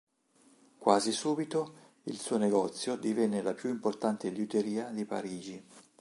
Quasi subito il suo negozio divenne la più importante liuteria di Parigi.